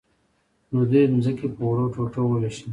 نو دوی ځمکې په وړو ټوټو وویشلې.